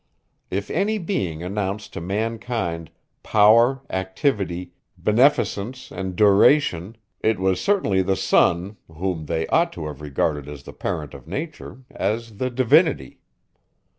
If any being announced to mankind, power, activity, beneficence, and duration, it was certainly the Sun, whom they ought to have regarded as the parent of nature, as the divinity.